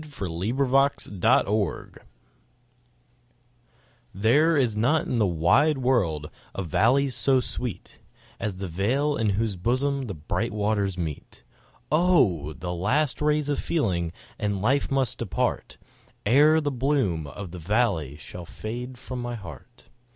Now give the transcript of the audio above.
The Meeting of the Waters THERE is not in the wide world a valley so sweet As that vale in whose bosom the bright waters meet; Oh! the last rays of feeling and life must depart, Ere the bloom of that valley shall fade from my heart.